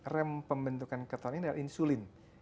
rem pembentukan keton ini adalah insulin